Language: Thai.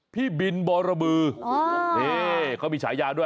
พี่บินบรบือนี่เขามีฉายาด้วย